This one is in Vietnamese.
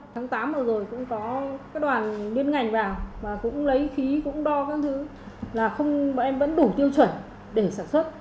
tháng tám vừa rồi cũng có các đoàn liên ngành vào và cũng lấy khí cũng đo các thứ là bọn em vẫn đủ tiêu chuẩn để sản xuất